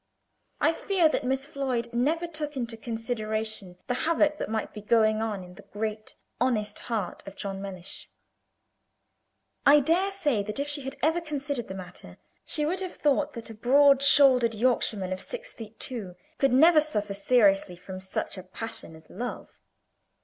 I fear that Miss Floyd never took into consideration the havoc that might be going on in the great, honest heart of John Mellish. I dare say that if she had ever considered the matter, she would have thought that a broad shouldered Yorkshireman of six feet two could never suffer seriously from such a passion as love.